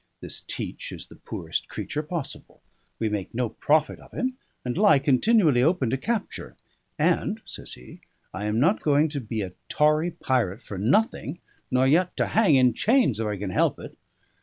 This Teach is the poorest creature possible; we make no profit of him, and lie continually open to capture; and," says he, "I am not going to be a tarry pirate for nothing, nor yet to hang in chains if I can help it."